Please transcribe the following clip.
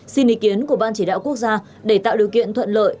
xin ý kiến của ban chỉ đạo quốc gia để tạo điều kiện thuận lợi